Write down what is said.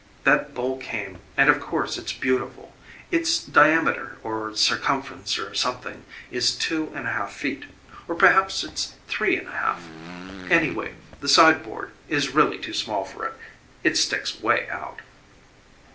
That bowl came, and of course it's beautiful. Its diameter or circumference or something is two and a half feet or perhaps it's three and a half. Anyway, the sideboard is really too small for it; it sticks way out."